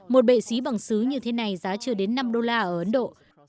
một bệ xí bằng xứ như thế này giá chưa đến năm đô la ở ấn độ